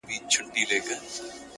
• بیا به اورېږي پر غزلونو -